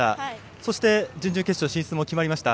そして、準々決勝進出も決まりました。